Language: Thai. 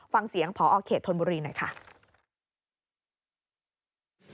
ฟังเสียงพอเขตธนบุรีหน่อยค่ะ